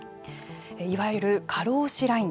いわゆる過労死ライン。